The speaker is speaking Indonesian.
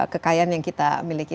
kekayaan yang kita miliki